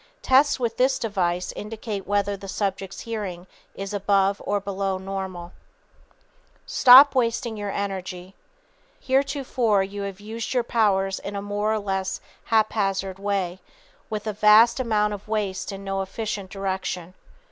Tests with this device indicate whether the subject's hearing is above or below normal. [Sidenote: Mental Friction and Inner Whirlwinds] Stop wasting your energy. Heretofore you have used your powers in a more or less haphazard way, with a vast amount of waste and no efficient direction.